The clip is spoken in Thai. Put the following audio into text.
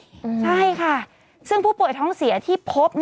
ใช่ค่ะซึ่งผู้ป่วยท้องเสียที่พบ